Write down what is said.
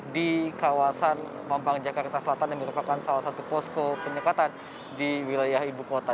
di kawasan mampang jakarta selatan yang merupakan salah satu posko penyekatan di wilayah ibu kota